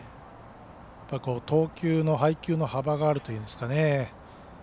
投球、配球の幅があるというんですかね。